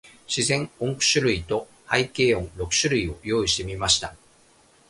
自然音九種類と、背景音六種類を用意してみました。